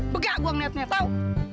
begak gua ngeliat ngeliat tau